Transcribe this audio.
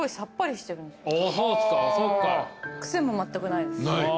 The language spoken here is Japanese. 癖もまったくないです。